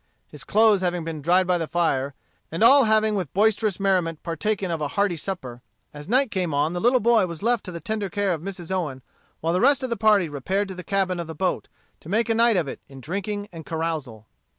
His clothes having been dried by the fire, and all having with boisterous merriment partaken of a hearty supper, as night came on the little boy was left to the tender care of Mrs. Owen, while the rest of the party repaired to the cabin of the boat, to make a night of it in drinking and carousal.